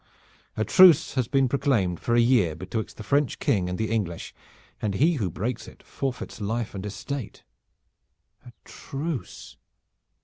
A truce has been proclaimed for a year betwixt the French King and the English, and he who breaks it forfeits life and estate." "A truce!"